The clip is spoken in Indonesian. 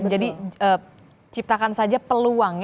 jadi ciptakan saja peluang ya